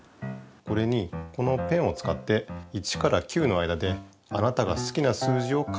これにこのペンをつかって１から９の間であなたがすきな数字を書いてください。